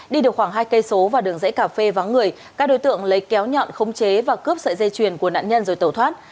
đi được khoảng hai km vào đường dãy cà phê vắng người các đối tượng lấy kéo nhọn không chế và cướp sợi dây chuyền của nạn nhân rồi tẩu thoát